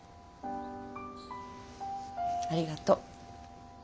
ありがと。